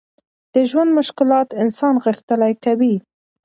د ژوند مشکلات انسان غښتلی کوي.